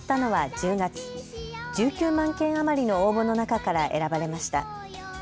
１９万件余りの応募の中から選ばれました。